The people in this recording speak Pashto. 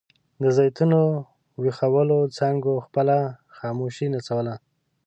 د زیتونو وچخولو څانګو خپله خاموشي نڅوله.